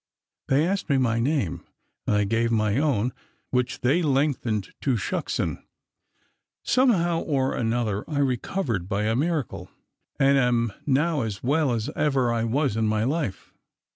They asked me my name, and I gave my own, which they lengthened into Shucksen, somehow or another I recovered by a miracle, and am now as well as ever I was in my life.